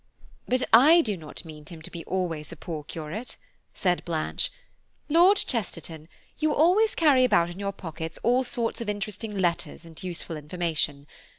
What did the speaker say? "But I do not mean him to be always a poor curate," said Blanche. "Lord Chesterton, you always carry about in your pockets all sorts of interesting letters and useful information.